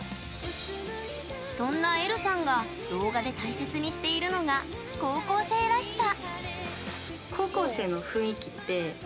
そんな、えるさんが動画で大切にしているのが高校生らしさ。